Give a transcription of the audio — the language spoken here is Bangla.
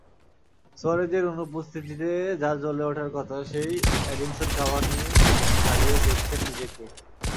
সুয়ারেজের অনুপস্থিতিতে যাঁর জ্বলে ওঠার কথা, সেই এডিনসন কাভানিও হারিয়ে খুঁজছেন নিজেকে।